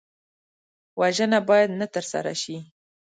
وژنه باید نه ترسره شي